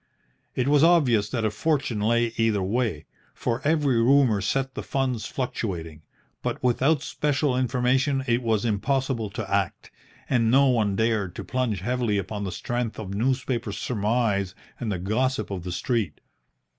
It was obvious that a fortune lay either way, for every rumour set the funds fluctuating; but without special information it was impossible to act, and no one dared to plunge heavily upon the strength of newspaper surmise and the gossip of the street.